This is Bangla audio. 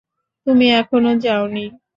তুমি এখানো যাওনি।